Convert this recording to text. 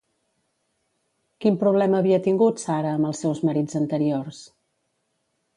Quin problema havia tingut Sara amb els seus marits anteriors?